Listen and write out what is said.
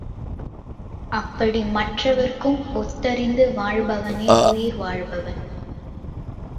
அப்படி மற்றவர்க்கும் ஒத்ததறிந்து வாழ்பவனே உயிர் வாழ்பவன்.